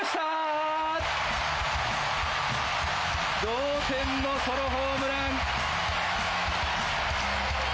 同点のソロホームラン。